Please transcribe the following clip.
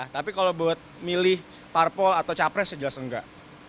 tapi kalau buat milih parpol atau capres ya jelas enggak